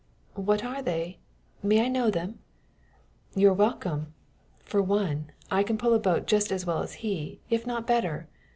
"What are they? May I know them?" "You're welcome. For one, I can pull a boat just as well as he, if not better.